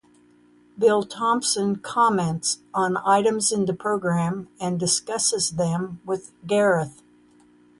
Bill Thompson comments on items in the programme and discusses them with Gareth.